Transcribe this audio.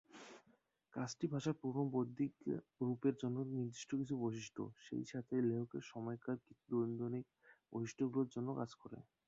কাজটি ভাষার পুরোনো বৈদিক রূপের জন্য নির্দিষ্ট কিছু বৈশিষ্ট্য, সেইসাথে লেখকের সময়কার কিছু দ্বান্দ্বিক বৈশিষ্ট্যগুলির জন্যও কাজ করে।